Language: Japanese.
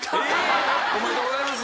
おめでとうございます。